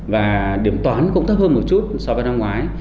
và điểm toán cũng thấp hơn một chút so với năm ngoái